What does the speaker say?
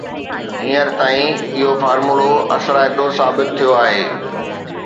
هينئر تائين اهو فارمولو اثرائتو ثابت ٿيو آهي